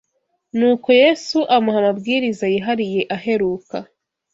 Nuko Yesu amuha amabwiriza yihariye aheruka,